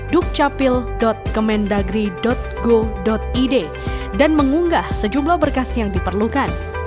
dukcapil kemendagri go id dan mengunggah sejumlah berkas yang diperlukan